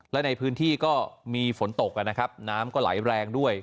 และในพื้นที่ก็มีฝนตกนะครับน้ำก็ไหลแรงด้วย